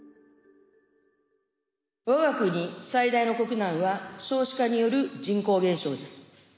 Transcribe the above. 我が国最大の国難は少子化による人口減少です。